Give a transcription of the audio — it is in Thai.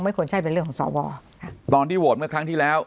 ควรใช่เป็นเรื่องของสวค่ะตอนที่โหวตเมื่อครั้งที่แล้ว